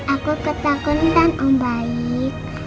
aku ketakutan om baik